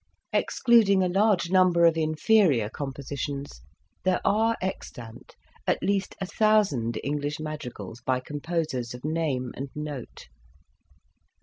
Excluding a large number of inferior compositions, there are extant at least a thousand English madri gals by composers of name and note.